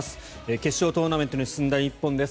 決勝トーナメントに進んだ日本です。